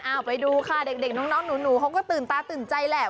เอาไปดูค่ะเด็กน้องหนูเขาก็ตื่นตาตื่นใจแหละ